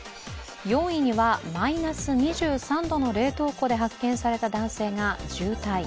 ４位にはマイナス２３度の冷凍庫で発見された男性が重体。